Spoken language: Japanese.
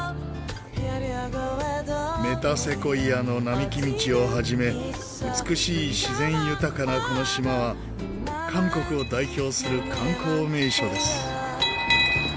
メタセコイアの並木道を始め美しい自然豊かなこの島は韓国を代表する観光名所です。